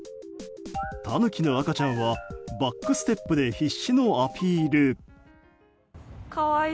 タヌキの赤ちゃんはバックステップで必死のアピール。